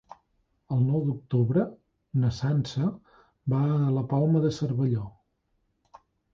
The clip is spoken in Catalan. El nou d'octubre na Sança va a la Palma de Cervelló.